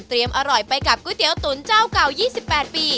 อร่อยไปกับก๋วยเตี๋ยวตุ๋นเจ้าเก่า๒๘ปี